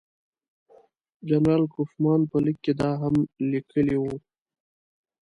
جنرال کوفمان په لیک کې دا هم لیکلي وو.